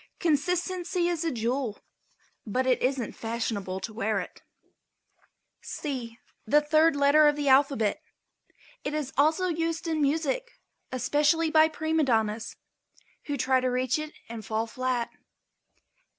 Consistency is a jewel, but it isn't fashionable to wear it. ### C: The third letter of the alphabet. It is also used in music, especially by prima donnas who try to reach it and fall flat.